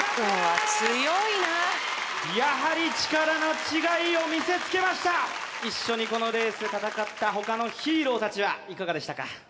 やはり力の違いを見せつけました一緒にこのレース戦った他のヒーロー達はいかがでしたか？